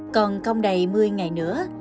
còn công đầy một mươi ngày nữa